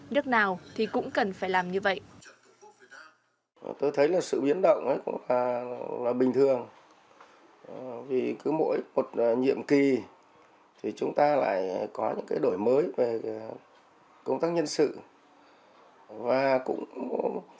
nước nào thì cũng cần phải làm như vậy